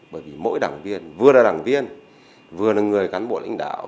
bởi vì mỗi đảng viên vừa là đảng viên vừa là người cán bộ lãnh đạo